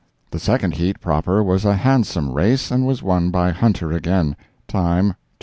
The second heat proper was a handsome race, and was won by "Hunter," again. Time, 2:43.